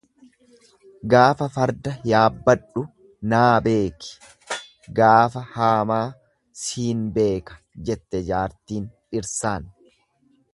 Gaafa farda yaabbadhu naa beeki gaafa haamaa siin beeka jette jaartiin dhirsaan.